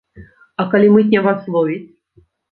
А калі мытня вас зловіць?